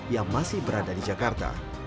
yang masih berada di jakarta